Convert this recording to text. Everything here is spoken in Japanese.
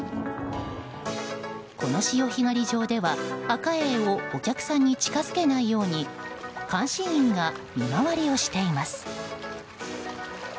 この潮干狩り場では、アカエイをお客さんに近づけないように監視員が見回りをしています。